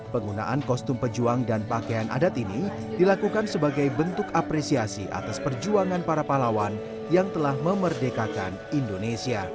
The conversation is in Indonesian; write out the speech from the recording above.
penggunaan kostum pejuang dan pakaian adat ini dilakukan sebagai bentuk apresiasi atas perjuangan para pahlawan yang telah memerdekakan indonesia